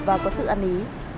và có sự ăn ý